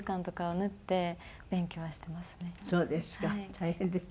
大変ですね